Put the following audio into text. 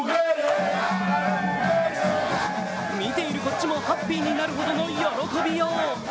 見ているこっちもハッピーになるほどの喜びよう。